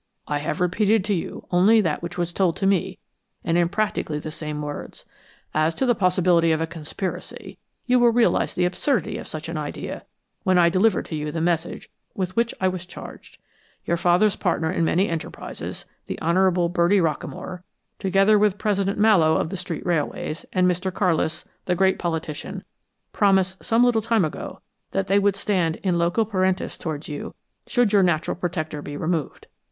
I have repeated to you only that which was told to me, and in practically the same words. As to the possibility of a conspiracy, you will realize the absurdity of such an idea when I deliver to you the message with which I was charged. Your father's partner in many enterprises, the Honorable Bertie Rockamore, together with President Mallowe, of the Street Railways, and Mr. Carlis, the great politician, promised some little time ago that they would stand in loco parentis toward you should your natural protector be removed.